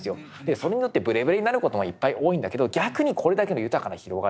それによってブレブレになる事も多いんだけど逆にこれだけの豊かな広がりがあって。